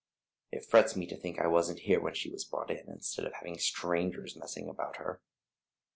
It frets me to think I wasn't here when she was brought in, instead of having strangers messing about her."